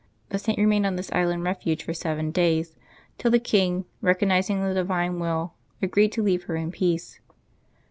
The Saint remained on this island refuge for seven days, till the king, recognizing the divine will, agreed to leave her in peace.